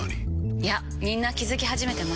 いやみんな気付き始めてます。